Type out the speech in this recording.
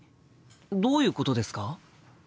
どういうことですか？